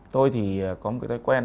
tôi thì có một cái thói quen